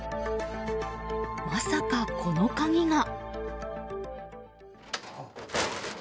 まさか、この鍵が。